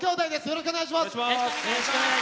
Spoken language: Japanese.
よろしくお願いします。